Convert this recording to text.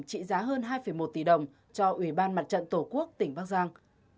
trị giá hơn hai một tỷ đồng cho ủy ban mặt trận tổ quốc tỉnh bắc giang